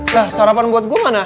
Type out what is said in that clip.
nah sarapan buat gue mana